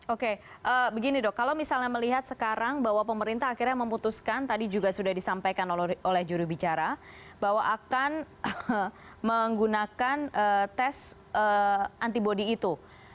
oke begini dok kalau misalnya melihat sekarang bahwa pemerintah akhirnya memutuskan tadi juga sudah disampaikan oleh jurubicara bahwa akan menggunakan tes antibody itu